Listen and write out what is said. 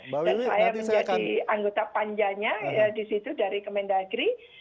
dan saya menjadi anggota panjanya di situ dari kemendagri